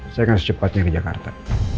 saya harus cepatnya ke jakarta